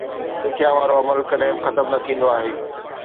سکيا وارو عمل ڪڏهن به ختم نه ٿيندو آهي